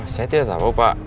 saya tidak tau pak